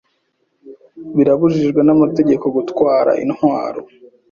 Birabujijwe n'amategeko gutwara intwaro.